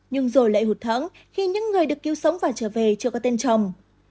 nhưng rồi lại hụt tháng khi những người được cứu sống và trở về chưa có tên chồng